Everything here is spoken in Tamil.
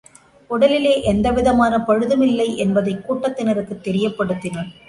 உடலிலே எந்தவிதமான பழுதும் இல்லை என்பதைக் கூட்டத்தினருக்குத் தெரியப்படுத்தினான்.